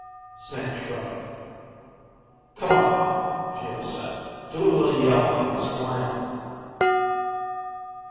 Snake shrugged. "Come on now," Geo said. "Do a little yelling and explain."